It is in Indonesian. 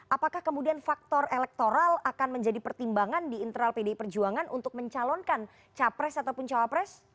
apakah kemudian faktor elektoral akan menjadi pertimbangan di internal pdi perjuangan untuk mencalonkan capres ataupun cawapres